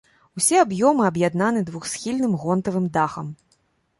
Усе аб'ёмы аб'яднаны двухсхільным гонтавым дахам.